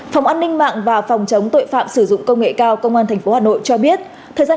phòng an ninh mạng và phòng chống tội phạm sử dụng công nghệ cao công an tp hà nội cho biết thời gian